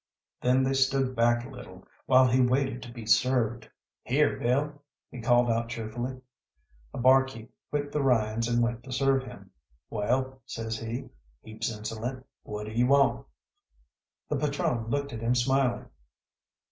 Then they stood back a little, while he waited to be served. "Here, Bill!" he called out cheerfully. A bar keep quit the Ryans and went to serve him. "Well," says he, heaps insolent, "what do you want?" The patrone looked at him smiling.